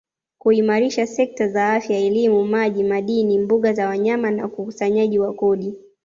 kuimarisha sekta za Afya elimu maji madini mbuga za wanyama na ukusanyaji wa kodi